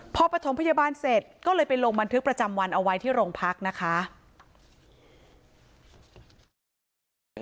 พอปฐมพยาบาลเสร็จก็เลยไปลงบันทึกประจำวันเอาไว้ที่โรงพักนะคะ